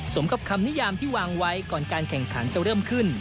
กับคำนิยามที่วางไว้ก่อนการแข่งขันจะเริ่มขึ้น